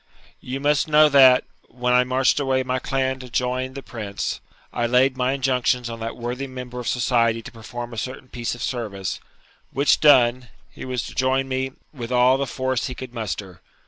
You must know that, when I marched away my clan to join the Prince, I laid my injunctions on that worthy member of society to perform a certain piece of service, which done, he was to join me with all the force he could muster.